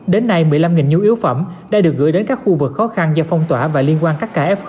đến nay một mươi năm nhu yếu phẩm đã được gửi đến các khu vực khó khăn do phong tỏa và liên quan cắt cả f